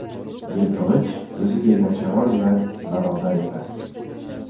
yelpig‘ich o‘zi kelgan shamol bilan barobar emas.